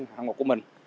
hạng mục của mình